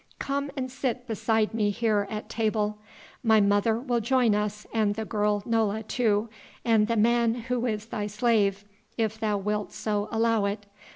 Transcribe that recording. Come and sit beside me here at table; my mother will join us and the girl Nola too, and the man who is thy slave, if thou wilt so allow it.